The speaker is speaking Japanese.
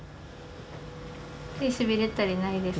手しびれたりないですか？